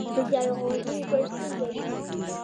د جلغوزي ګل څنګه وي؟